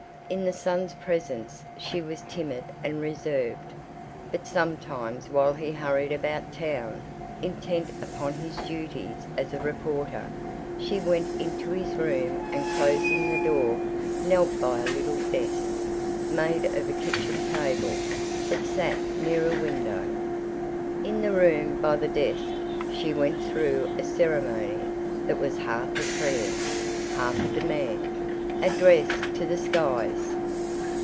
In the son's presence she was timid and reserved, but sometimes while he hurried about town intent upon his duties as a reporter, she went into his room and closing the door knelt by a little desk, made of a kitchen table, that sat near a window. In the room by the desk she went through a ceremony that was half a prayer, half a demand, addressed to the skies.